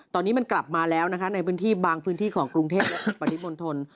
ตอนนี้มันกลับมาแล้วในบางพื้นที่ของกรุงเทพฯและปฏิบันทน